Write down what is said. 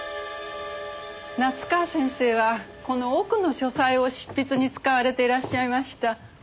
夏河先生はこの奥の書斎を執筆に使われていらっしゃいました。